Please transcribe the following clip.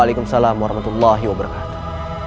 waalaikumsalam warahmatullahi wabarakatuh